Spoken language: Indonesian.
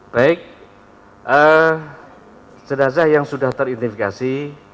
baik jenazah yang sudah teridentifikasi